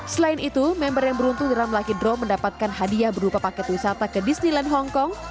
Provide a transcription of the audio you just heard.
selain itu member yang beruntung dalam lucky drone mendapatkan hadiah berupa paket wisata ke disneyland hongkong